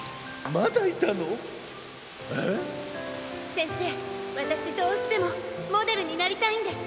せんせいわたしどうしてもモデルになりたいんです。